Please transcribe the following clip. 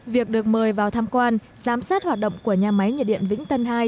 việc được mời vào tham quan giám sát hoạt động của nhà máy nhiệt điện vĩnh tân hai